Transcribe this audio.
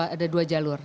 ada dua jalur